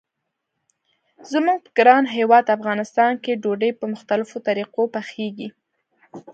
زموږ په ګران هیواد افغانستان کې ډوډۍ په مختلفو طریقو پخیږي.